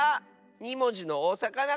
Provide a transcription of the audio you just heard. ２もじのおさかな